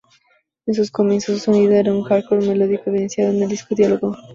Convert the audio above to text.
En sus comienzos, su sonido era un Hardcore Melódico evidenciado en el disco Diálogo?.